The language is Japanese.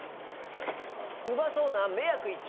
うまそうな迷惑一丁！